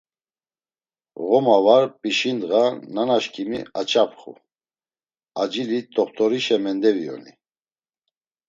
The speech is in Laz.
Ğoma var p̌işindğa nanaşkimi aç̌apxu, acili t̆oxt̆orişe mendeviyoni.